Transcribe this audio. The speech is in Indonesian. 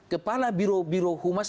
kepala biro biro humas